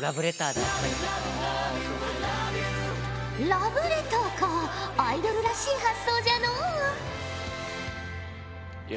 ラブレターかアイドルらしい発想じゃのう。